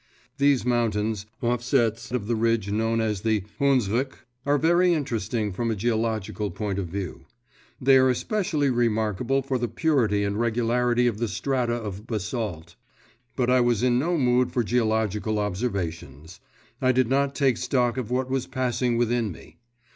These mountains, offsets of the ridge known as the Hundsrück, are very interesting from a geological point of view. They are especially remarkable for the purity and regularity of the strata of basalt; but I was in no mood for geological observations. I did not take stock of what was passing within me.